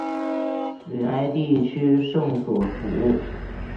吕埃地区圣索弗。